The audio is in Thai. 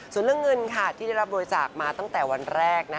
ส่วนเรื่องเงินค่ะที่ได้รับโดยจากมาตั้งแต่วันแรกนะคะ